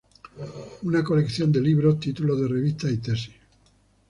Una colección de libros, títulos de revistas y tesis.